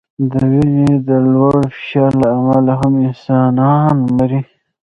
د وینې د لوړ فشار له امله هم انسانان مري.